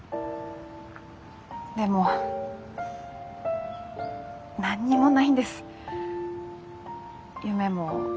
でも何にもないんです夢も。